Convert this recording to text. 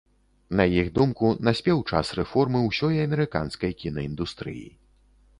На іх думку, наспеў час рэформы ўсёй амерыканскай кінаіндустрыі.